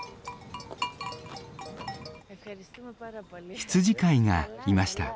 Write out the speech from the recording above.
羊飼いがいました。